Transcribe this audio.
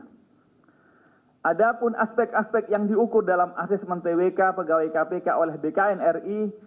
b ada pun aspek aspek yang diukur dalam asesmen twk pegawai kpk oleh bknri bersama instansi lain tersebut adalah dalam beberapa aspek